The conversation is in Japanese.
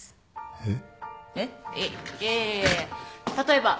えっ？